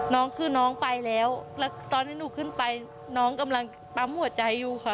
น้องคือน้องไปแล้วแล้วตอนที่หนูขึ้นไปน้องกำลังปั๊มหัวใจอยู่ค่ะ